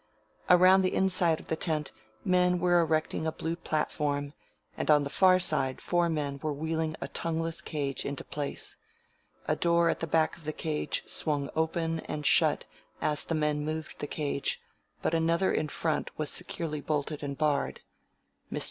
Around the inside of the tent men were erecting a blue platform, and on the far side four men were wheeling a tongueless cage into place. A door at the back of the cage swung open and shut as the men moved the cage, but another in front was securely bolted and barred. Mr.